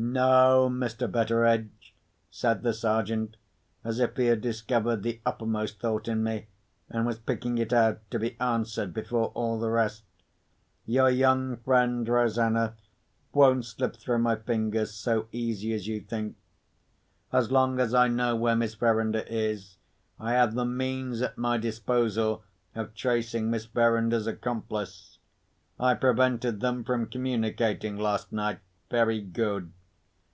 "No, Mr. Betteredge," said the Sergeant, as if he had discovered the uppermost thought in me, and was picking it out to be answered, before all the rest. "Your young friend, Rosanna, won't slip through my fingers so easy as you think. As long as I know where Miss Verinder is, I have the means at my disposal of tracing Miss Verinder's accomplice. I prevented them from communicating last night. Very good.